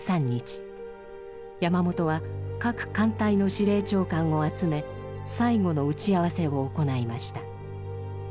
山本は各艦隊の司令長官を集め最後の打ち合わせを行いました。